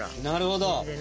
なるほど。